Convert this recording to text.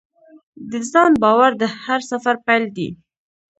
د ځان باور د هر سفر پیل دی.